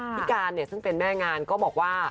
พี่การเนี่ยซึ่งเป็นแม่งานก็บอกว่า